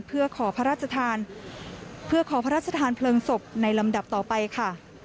เพื่อขอพระราชทานเพลิงศพในลำดับต่อไปค่ะ